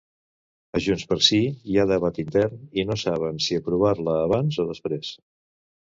A JxSí hi ha debat intern i no saben si aprovar-la abans o després.